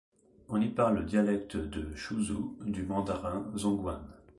On y parle le dialecte de Xuzhou du mandarin zhongyuan.